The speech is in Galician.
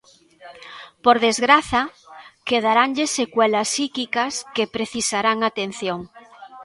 Por desgraza, quedaranlle secuelas psíquicas que precisarán atención.